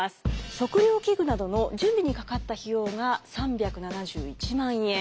測量器具などの準備にかかった費用が３７１万円。